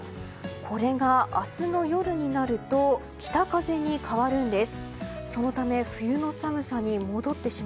これが明日の夜になると北風に変わるんです。